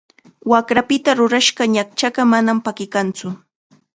Waqrapita rurashqa ñaqchaqa manam pakikantsu.